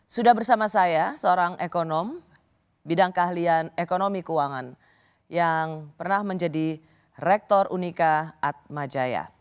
sudah bersama saya seorang ekonom bidang keahlian ekonomi keuangan yang pernah menjadi rektor unika atmajaya